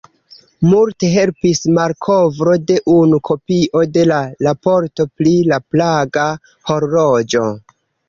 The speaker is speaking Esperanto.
Multe helpis malkovro de unu kopio de la Raporto pri la Praga horloĝo.